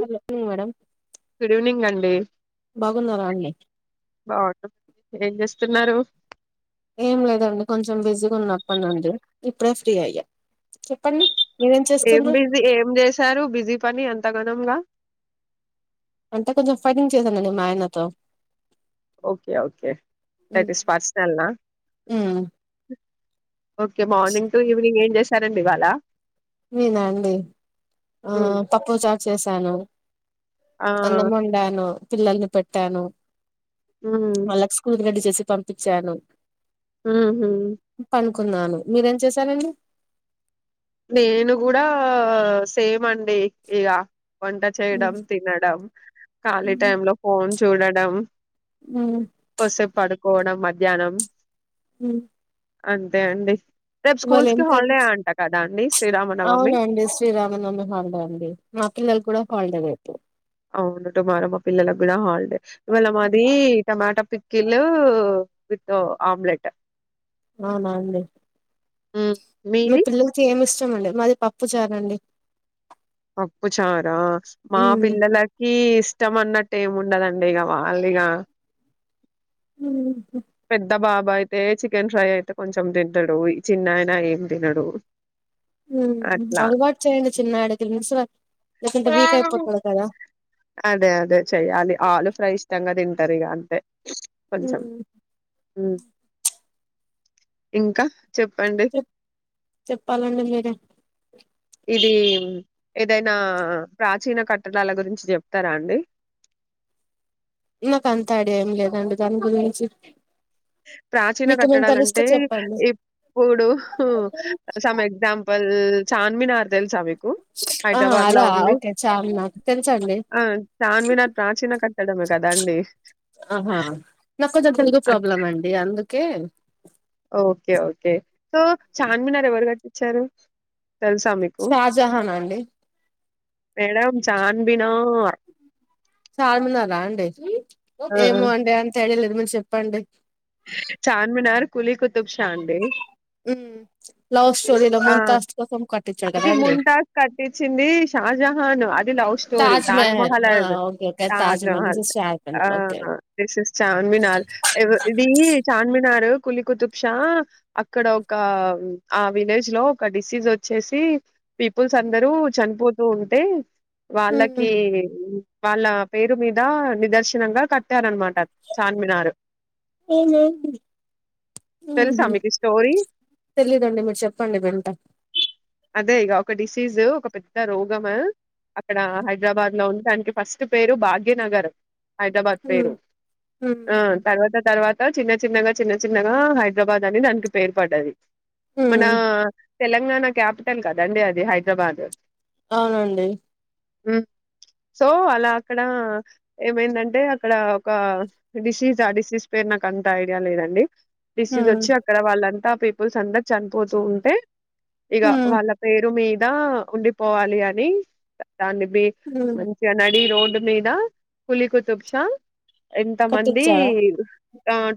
Hello madam లేవ బాగున్నారండి తిన్నారు ఏం లేదండి కొంచెం బిజీగా ఉన్నా అప్పటి నుండి ఇప్పుడే ఫ్రీ అయ్యా చెప్పండి మీరేం ఏం చేస్తుండ్రు బిజీ ఏం చేశారు బిజీ పని ఎంత గనంగా అంటే కొంచెం ఫైటింగ్ చేశానండి మా ఆయనతో ఓకే ఓకే అయితే పర్సనల్ నా ఉమ్ ఓకే మార్నింగ్ టు ఈవినింగ్ ఏం చేస్త సరేండి ఇవ్వాళ నేనా అండి ఆ హ్మ్. పప్పు చారూ చేసాను ఆ అన్నం వండాను పిల్లల్ని పెట్టాను హ్మ్ వాళ్ళకు స్కూల్ రెడీ చెస్ పంపించాను హమ్ హా కున్నాను మీరేం చేశారండి నేను కూడా సేమ్ అండి ఇక వంట చేయడం తినడం ఖాళీ టై ఉమ్ లో ఫోన్స్ చూడడం ఉమ్ కోసేపు పడు కోణం మధ్యాహ్నం ఉ అంతే అండి రేపు స్కూల్స్ కి కర్రీ హాలిడే అంటా అవునండి శ్రీరామనవమి హాలిడే అండి మా పిల్లలు కూడా హల్దేనే అవునట మార మా పిల్లలకు గూడా హాలిడే ఇవాళ మాది టమాటా పిక్కిల్లు విత్ ఆమ్లెట్ అవునా అండి ఉ మీ పిల్లలకి ఏమి ఇష్టం అండి మాది ప పప్పు చారండి ప్పు చారా మా ఉమ్ పిల్లలకి ఇష్టం అన్నట్టు ఏముండదండి ఇగ వాల్లిగ ఉ పెద్ద బాబా అయితే చికెన్ ఫ్రై అయితే కొంచెం తింటడు ఈ చిన్నయన ఏం తినడు అట్లా అలవాటు చేయండి చిన్న ఆడకి లేక ఇంత వీక్ అయిపోతాడు కదా అదే అదే చెయాలి ఆలు ఫ్రై ఇష్టంగా తింటరిగ అంతే కొంచెం ఉమ్ ఇంకా చెప్పండి చె చెప్పాలండి మీరే ఇది ఏదైనా ప్రాచీన కట్టడాల గురించి జెప్తారా అండి నాకు అంత ఐడా ఏం లేదండి దాని గురించి ప్రాచీన మీకేమైనా తెలుస్తే కట్టడాాలంటే చెప్పండి ఇప్పుడు సమ్ ఎగ్జాంపుల్స్ చార్మినార్ దెల్సా మీ ఆ అదా ఓకే చాల నాకు తెలుసండి ఆ! చార్మినార్ ప్రాచీన కట్టడమే కదండీ! ఆహా నాకు కొంచెం తెలుగు అట్ ప్రాబ్లం అండి అందుకే ఓకే. చ్చారు షాజహానా అండి మేడం చాన్బినార్ చార్మినారా అండి ఆ! ఏమో అండే అంతి మీరు చెప్పండి. తబ్ శ్యాందేవ్ హ్ ఆ కదా అది అండి ముంటాస్ కట్టిచ్చింది. షాజహాన్ అది లవ్ స్టోరీ తాజ్ మహల్ తాజ్మహల్ ఆ అది okay okay Taj Mahal this Taj Mahal is Shahrukh Khan ఆ ఓకే దిస్ ఇస్ చార్మినాల్ ఎవరు ఇది చార్మినార్ కులి కుతుబ్షా అక్కడ ఒక ఆ విలేజ్ లో ఒక డిసీజ్ వోచ్చేసి పీపుల్స్ అందరూ చనిపో తుంటే వాళ్ళకి వాళ్ళ పేరు మీద నిదర్శనంగా కట్టారన్నమాట. తెలుసా మీకు ఈ స్టోరీ? తెలిదండి మీరు చెప్ పండుగ అంట అదే ఇక ఒక డిసీజు ఒక పెద్ద రోగము అక్కడ హైదరాబాద్ లో ఉంది. దానికి ఫస్ట్ పేరు భాగ్యనగర్ హైదరాబాద్ ఉమ్ పేరు ఆ తర్వాత తర్వాత చిన్న చిన్నగా చిన్న చిన్నగా హైదరాబాద్ అని దానికి పేరు పడ్డది. మన తెలంగాణ క్యాపిటల్ కదండి. అది హైదరాబాదు అవును అండి హ్ సో అలా అక్కడ ఏమైందంటే అక్కడ ఒక డిసీజ్ ఆ డిసీజ్ పేరు నాకు అంత ఐడియా లేదండి. డిసీస్ ఉమ్ వోచ్చి అక్కడ వాళ్ళంతా టిప్పు సందన్ చనిపోతూ ఉంటే ఇగా ఉమ్ వాళ్ళ పేరు మీ దా ఉండిపోవాలి అని దన్ని బి ఉమ్ మంచిగా నడి రోడ్ మీద కులి కుతుబ్ష ఎంత మంది కట్టించాడా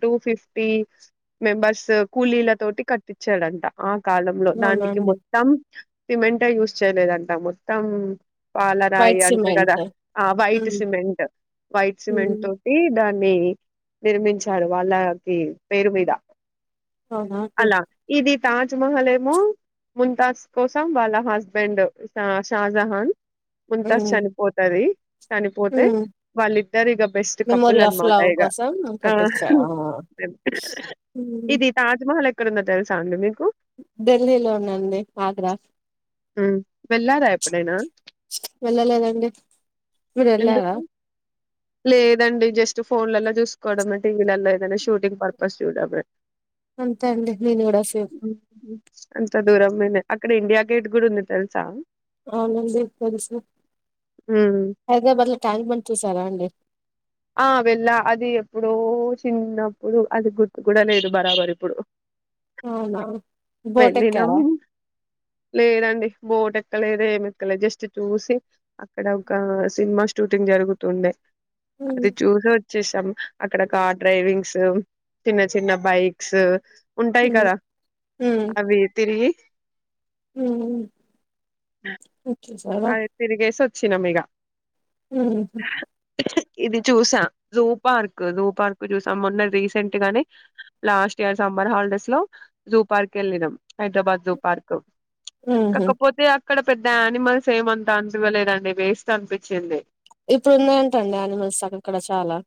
టూ ఫిఫ్టీ మెంబర్స్ కూలీల తోటి కట్ తీచ్చాడంట. ఆ కాలంలో దానికి అవునండి మొత్తం సిమెంటే యూస్ చేయలేదంటా మొత్తం పాలరాయి వైట్ అంటారు. కదా సిమెంట్ ఆ వైట్ ఉమ్ సిమెంట్ వైట్ సిమెంట్ ఉమ్ తోటి దాన్ని వేయి నిర్మించారు వాళ్ళ కి పేరు మీద అహా తే అలా ఇది తాజ్మహల్ ఏమో ముంతాజ్ కోసం వాళ్ళ హస్బెండ్ ఆ షాజహాన్ ముంతాస్ ఉమ్ చనిపోతది. చనిపోతే ఉమ్ వాళ్ళిద్దరు ఇక బెస్ట్ కపుల్ మెమోరీ ఆఫ్ అన్నమాట లవ్ ఇగా కోసం ఆ కట్టించా హ్ ఆ మ్మ్ ఇది తాజ్మహల్ ఏ క్కడుందో తెల్ సాంది మీకు ఢిల్లీలో ఉందండి ఆగ్రా ఉమ్మ్ వెళ్ళారా ఎప్పుడైనా వెళ్ళలేదండి మీరు వెళ్ళారా ఎందుకు లేదండి జస్ట్ ఫోన్లలో చూసుకోవడమే టీవీలల్లో ఏదైనా షూటింగ్ పర్పస్ చూడమే అంతే అండి నేను కూడ షూ తే దూరం లోనే అక్కడ ఇండియా గేట్ కూడా ఉంది తెలుసా అవునండి తెలుసు హ్మ్. హైదరాబాద్ లో ట్యాంక్ బండ్ చూసారా అండి ఆ వెళ్ళా అది ఎప్పుడో చిన్నప్పుడు అది గుర్తు కూడా లేదు బరాబర్ ఇప్పుడు అవునా వెళ్ళినాం బోటెక్కారా లేదండి బోటెక్కలేదు ఏమి ఎక్కలేదు జస్ట్ చూసి అక్కడ ఒక సినిమా షూటింగ్ జరుగుతుండే హ్మ్ అది చూసొ చూసాం అక్కడ కార్ డ్రైవింగ్స్ చిన్న చిన్న బైక్స్ ఉంటాయి హ్మ్ కదా అవి తిరిగి ఊమ్మ్ అది తిరిగే సొత్ చ్చినం ఇగ ఊహూ ఇది చూసా జూ పార్క్ జూ పార్క్ చూసాం మొన్న రీసెంట్ గానే లాస్ట్ ఇయర్ సమ్మర్ హాలిడేస్ లో జూ పార్క్ వెళ్ళినం హైదరాబాద్ జూ పార్క్ ఊహూ కాకపోతే ఆ ఇక్కడ పెద్ద ఆనిమల్స్ సేమ్ అంతా అన్పివ్వలేదండి వేస్ట్ అన్పిచ్చింది ఇప్పుడు ఉన్నాయంటండి అనిమల్స్ అక్కడ చాలా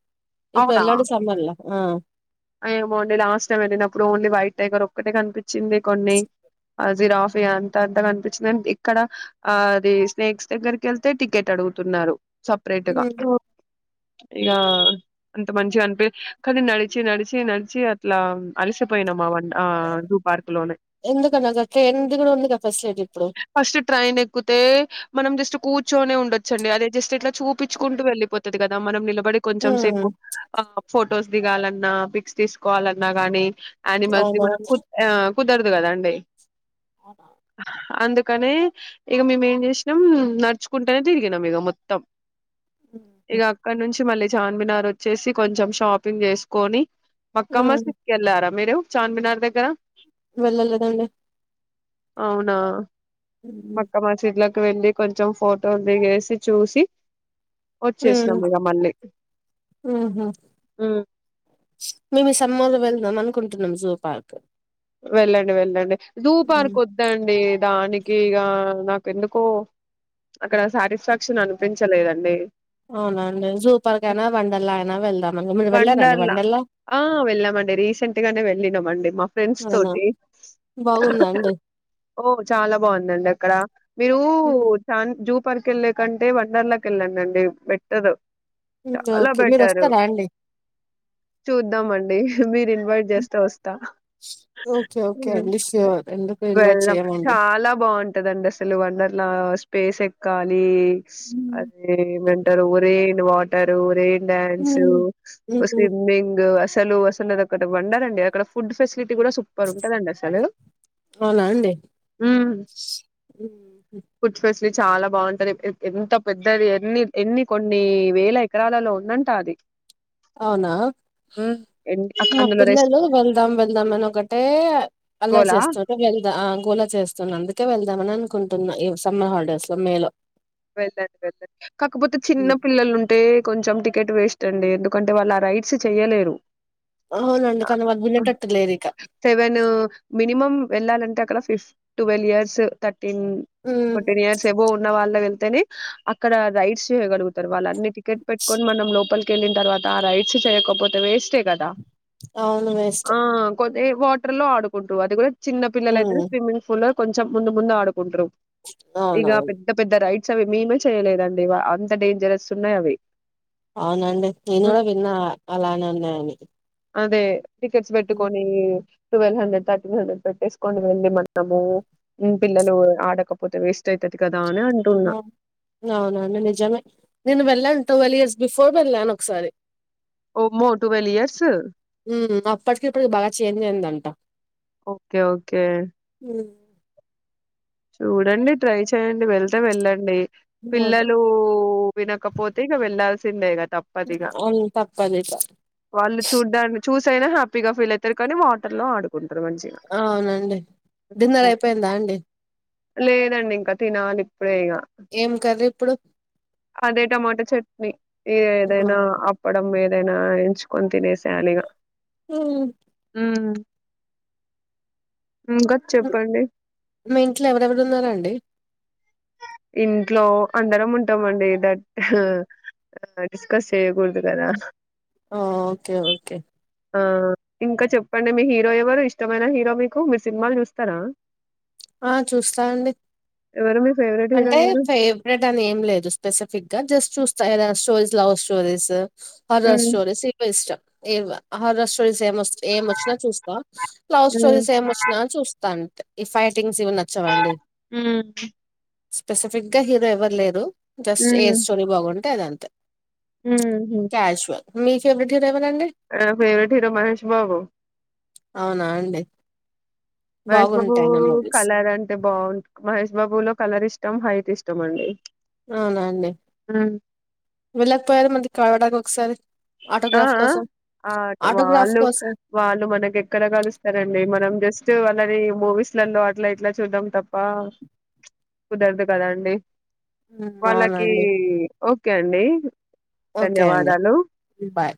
ఇప్పుడు అవునా వెళ్ళండి సమ్మర్లా ఆ ఏమో అండి లాస్ట్ టైం వెళ్ళినప్పుడు ఓన్లీ వైట్ టైగర్ ఒక్కటే కన్పిచ్చింది కొన్ని ఆ జిరాఫియా అంత అంతా కనిపిచ్చింది అం ఇక్కడ ఆ ది స్నేక్స్ దగ్గరికెళ్తే టికెట్ అడుగుతున్నారు సపరేటు గా హ్మ్ ఇగ అంత మంచిగా అనిపి కానీ నడిచి నడిచి నడిచి అట్లా అలసిపోయినామామ ఎందుకన్నాక ట్రైన్ ది కూడా ఉంది గా ఫెసిలిటీ ఇప్పుడు ఏ మనం జస్ట్ కూర్చొనే ఉండొచ్చండి అదే జస్ట్ ఇట్లా చూపిచ్చుకుంటూ వెళ్లిపోతుది కదా మనం నిల బడి కొంచెం హ్మ్ సేపు ఆ ఫొటోస్ దిగాలన్నా పిక్స్ తీసుకోవాలన్నా గానీ అనిమల్స్ ది మనం అవునవును కుత్ యా కుదరదు కదాండి హా అందుక్ కనీ ఇక మేమేం చేసినాం నడుచుకుంటనే తిరిగినం ఇక మొత్తం ఇక అక్కడ నుంచి మళ్ళీ చార్మినార్ వచ్చేసి కొంచెం షాపింగ్ చేసుకొని మక్క హ్మ్ మసీద్ కెల్లారా మీరు చాన్మినార్ దగ్గర వెళ్ళలేదండి అవునా ఊ ఆ చెట్లకు వెళ్ళి కొంచెం ఫోటోలు దిగేసి చూసి ఊ వచ్చేసినాం ఇగ మళ్ళీ ఉహు ఉమ్ మేము ఈ సమలో వెళ్దా మన కుంటున్నాం జూ పార్క్ వెళ్ళండి వెళ్ళండి హ్మ్ ధూపార్క్ వద్దండి దాని కిగా నాకు ఎందుకో అక్కడ సాటిస్ఫాక్షన్ అనిపించలేదండి అవునండి సూపర్గానా వండర్లా నావెళ్దా వండర్లా ఆ వెళ్ళామండి రీసెంట్ గానే వెళ్ళినామండి మా ఫ్రెండ్స్ అవునా తోటి బాగుందా అండి ఓ చాలా బాగుందండి అక్కడ మీరు హ్మ్. చన్ జూ పర్క కెళ్లే కంటే వండర్ లా కెళ్ళండండి బెట్టరు ఊ ఓకే మీరు ఒస్తరా చూద్దామండి మీరు ఇన్వైట్ చేస్తే వస్తా ఓకే ఉ ఓకే అండి ష్యూర్ ఎందుకు ఇన్వైట్ వెళ్దాం చేయమండి చాలా బాగుంటదండి అసలు వండర్లా స్ పేసెక్కాలి ఉమ్ హ్మ్. అధేనండి టరు రేన్ వాటరు రేన్ డ్యాన్స్ టు హ్మ్. హ్మ్. స్విమ్మింగు అస్ సలు అసలు అది అక్కడ వండర్ అండి అక్కడ ఫుడ్ ఫెస్ సిటీ కూడా సూపర్ ఉంటది అండీ అసలు అవునా అండి ఊ హ్మ్. ఫుడ్ ఫెస్ ఇది చాలా బాగుంటది ఎ ఎ ఎంత పెద్దది ఎన్ని ఎన్ని కొన్ని వేల ఎకరాలలో ఉందంట అది అవునా ఉమ్ ఎన్ మా అందులో పిల్లలు వెళ్దాం వెళ్దాం అని ఒకటే అల్లరి రెస్కోలా చేస్తుంటే వెళ్దా ఆ గోలా చేస్తున్న అందుకే వెళ్ ఇద్దమని అనుకుంటున్నా ఈ సమ్మర్ హాలిడేస్ లో మేలో వెళండి వెళండి కాకపోతే చిన్న పిల్లలు ఉంటే కొంచెం టికెట్ వేస్ తండి ఎందుకంటే వాళ్ళు ఆ రైట్స్ చెయ్యలేరు అవునండి కానీ వాళ్ళు వినేటట్టు లేరు ఇక సెవెన్ మినిమం వెళ్ళాలంటే అకాడా ఫిఫట్ ట్వల్వ్ ఇయర్స్ర టిన్ ఇయర్స్ ఎవో ఉన్నన్నా వాళ్ళ థన్ అ అక్కడ రైట్స్గడుగుతారు వాళ్ళ అన్ని టికెట్ పెట్టుకొని మన లోపలికి కెళ్ళిన తర్వాత రైడ్స్ చేయకపోతే వేస్టే కదా అవును వేస్ట్ అదే వాటర్లో ఆడుంట పో అది కూడా చిన్న పిల్లైతే హ్మ్. స్విమ్మింగ్ పూల్ కొంచం ముందు ముందు ఆడుకుంట్ర ఇక అవునవును పెద్ద పెద్ద రైట్ అవి మేమే చేయలేదండి ఇ అంత డేంజరస్ ఉన్నాయి అవి అవునండి నేను ఉమ్, కూడా విన్నా అలానే ఉన్నాయని అదే టికెట్స్ పెట్టుకొని ట్వెల్వ్ హండ్రెడ్ థర్టీన్ హండ్రెడ్ పెట్టేసుకొని వెళ్ళి మనము పిల్లలు ఆడకపోతే వేస్ట్ అయితది కదా అని అంటున్న అవునండి నిజమే నేను వెళ్ళాను ట్వెల్వ్ ఇయర్స్ బిఫోర్ వెళ్ళాను ఒకసారి ఓ మో ట్వెల్వ్ ఇయర్స్ ప్పుడుకీ ఇప్పటికి బాగా చేంజ్ అయిందంట ఓకే ఓకే ఉ చూడండి ట్రై చేయండి వెళ్తే వెళ్ళండి ఓకే. పిల్లలు వినకపోతే ఇక వెళ్ళాల్సిందేగా తప్పదిగా అవును తప్పదిక వాళ్ళు చూడ్డాన్ని చూసి కరోజు అయిన హ్యాపీగా ఫీల్ అవుతారు కానీ వాటర్ లో ఆడు అవునండి డిన్నర్ అయిపో పోయిందా అండి లేదండి ఇంకా తినాలి ఇప్పుడే ఇగ ఏం కర్రీ ఇప్పుడు అదే టమాటో చట్నీ ఇ ఏదైనా ఉమ్. అప్పుడం అదేనా ఎంచుకొని తినేషయాలీ ఉమ్ ఉమ్ ఇంకా చెప్పండి మీ ఇంట్లో ఎవరెవరు ఉన్నార అండి ఇంట్లో అందరం ఉంటామండి దట్ డిస్కస్ చేయ్యకూడదు కదా ఆ ఓకే ఓకే ఆ ఇంకా చెప్పండి మీ హీరో ఎవరు ఇష్టమైన హీరో మీకు మీరు సినిమాలు చూస్తారా ఆ చూస్తానండి ఎవరు మీ ఫేవరెట్ హీరో అంటే ఎవరు ఫేవరెట్ అని ఏం లేదు స్పెసిఫిక్గా జస్ట్ చూస్త ఏదైనా stories love stories horror um stories ఇవే ఇష్టం ఎక్కువ హారర్ స్టోర స్టోరీస్ ఏమస్ ఏమొచ్చినా చూస్తా లవ్ ఉమ్ స్టోరీస్ ఏం వచ్చినా చూస్తాండి ఈ ఫైట్ టింగ్స్ ఇవి నచ్చవండి ఉమ్ స్పెసిఫిక్ గా హీరో ఎవరు లేరు దస్ ఏస్సోరి టే అదంతే ఊహు క్యాజువల్ మీ చె ఫేవరెట్ హీరో మహష్ బాబు అవునా అండి మహేష్ బాబు బాగుంటాయన మూవీస్ కలర్ అంటే బాగుంట మహేష్ బాబు లో కలర్ ఇష్ట టం హైట్ ఇష్టమ్ అండి ఆనాండి వెళ్ళక్పోయారు మంది కాడా ఒకసారి ఆ ఆటోగ్రాఫ్ కోసం ఆ ఆటోగ్రాఫ్ వాళ్ళు కోసం వాళ్ళు మనకి ఎక్కడ కలుస్తారండి మనం జస్ట్ వాళ్ళని మూవీస్లలో అట్లా ఇట్లా చూద్దాం తప్ప కుదరదు కదాండి ఉమ్, వాల్లకి అవునండి కే అండి ఓకే అండి ధన్యవాదాలు బాయ్